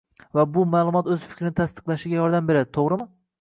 va bu maʼlumot oʻz fikrini tasdiqlashiga yordam beradi, toʻgʻrimi?